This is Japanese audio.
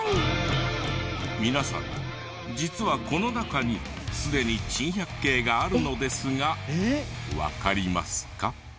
皆さん実はこの中にすでに珍百景があるのですがわかりますか？